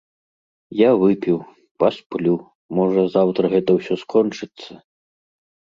Я выпіў, пасплю, можа, заўтра гэта ўсё скончыцца.